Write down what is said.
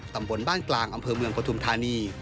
ตำบลบ้านกลางอำเภอเมืองปฐุมธานี